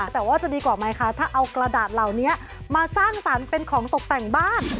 แต่ว่าจะดีกว่าไหมคะถ้าเอากระดาษเหล่านี้มาสร้างสรรค์เป็นของตกแต่งบ้าน